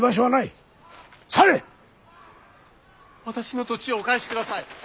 私の土地をお返しください。